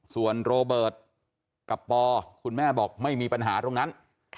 ส่วนโรเบิร์ตกับปอคุณแม่บอกไม่มีปัญหาตรงนั้น